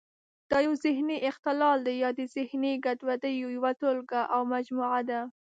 دا یو ذهني اختلال دی یا د ذهني ګډوډیو یوه ټولګه او مجموعه ده.